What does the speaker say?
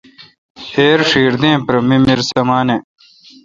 ایر چھیر دین پر ممیر سمانہ